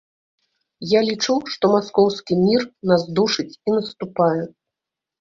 Я лічу, што маскоўскі мір нас душыць і наступае.